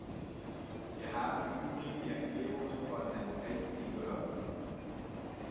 Wir haben im übrigen die Erklärungen von Herrn Pasty gehört.